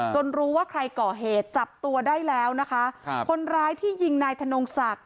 รู้ว่าใครก่อเหตุจับตัวได้แล้วนะคะครับคนร้ายที่ยิงนายธนงศักดิ์